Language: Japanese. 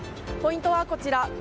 ポイントはこちら。